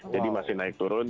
jadi masih naik turun